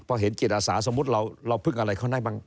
พอเห็นจิตอาสาสมมุติเราพึ่งอะไรเขาได้บ้าง